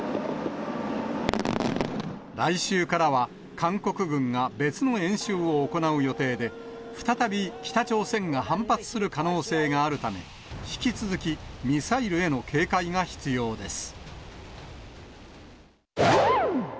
来週からは、韓国軍が別の演習を行う予定で、再び北朝鮮が反発する可能性があるため、引き続きミサイルへの警戒が必要です。